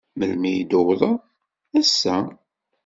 Melmi ay d-tuwḍeḍ? Ass-a?